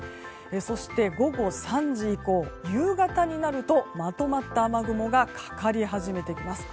そして、午後３時以降夕方になるとまとまった雨雲がかかり始めてきます。